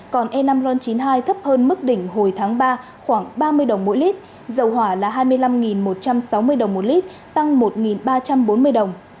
còn e năm ron chín mươi hai thấp hơn mức đỉnh hồi tháng ba khoảng ba mươi đồng mỗi lít dầu hỏa là hai mươi năm một trăm sáu mươi đồng một lít tăng một ba trăm bốn mươi đồng